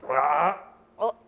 ああ！